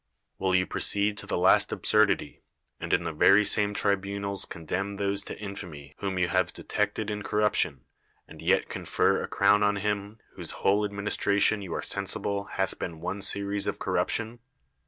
Will you i)roceed to the last absurdity, and in the very same tribunals con demn those to infamy whom you have (h^tected in corruption; and yet confer a crown on him whose whole administration you are sensible hath been one series of corrui)tion?